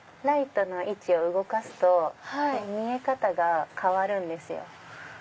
ライトの位置を動かすと見え方が変わるんですよ。